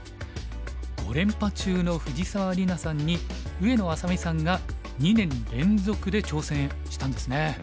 ５連覇中の藤沢里菜さんに上野愛咲美さんが２年連続で挑戦したんですね。